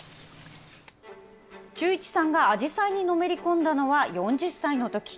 忠一さんがあじさいにのめり込んだのは、４０歳のとき。